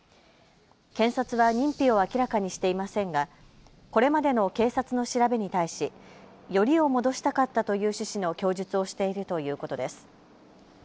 検察は認否を明らかにしていませんがこれまでの警察の調べに対しよりを戻したかったという趣旨の供述をしているということです。